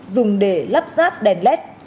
dùng để lắp ráp đèn led